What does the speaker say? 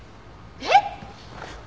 えっ！？